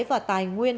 và tài nguyên